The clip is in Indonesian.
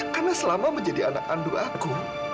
karena selama menjadi anak andu aku